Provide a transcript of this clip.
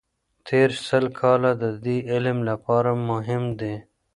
تېر سل کاله د دې علم لپاره مهم دي.